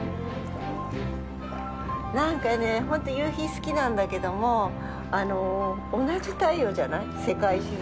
なんかね、本当夕日好きなんだけども同じ太陽じゃない、世界中。